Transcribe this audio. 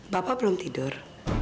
bapak belum tidur